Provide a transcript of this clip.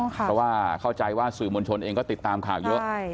เพราะว่าเข้าใจว่าสื่อมวลชนเองก็ติดตามข่าวเยอะ